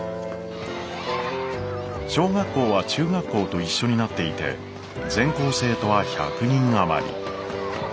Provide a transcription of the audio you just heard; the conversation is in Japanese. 小学校は中学校と一緒になっていて全校生徒は１００人余り。